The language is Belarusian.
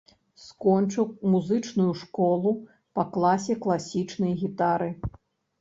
Скончыў музычную школу па класе класічнай гітары.